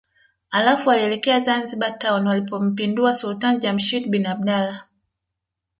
Halafu walielekea Zanzibar Town walipompindua Sultani Jamshid bin Abdullah